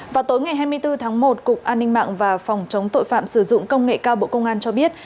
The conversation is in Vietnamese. vào tối ngày hai mươi bốn tháng một cục an ninh mạng và phòng chống tội phạm sử dụng công nghệ cao bộ công an cho biết